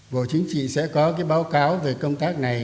bộ chính trị sẽ có cái báo cáo về công tác này